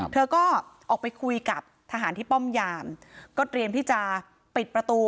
เธอก็ออกไปคุยกับทหารที่ป้อมยามก็เตรียมที่จะปิดประตู